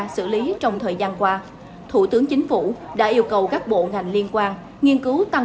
xử lý trong thời gian qua thủ tướng chính phủ đã yêu cầu các bộ ngành liên quan nghiên cứu tăng